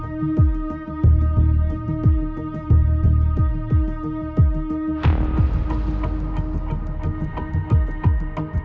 กินก้าวนอนหลับเปิดประตูเราไม่บายใจเลย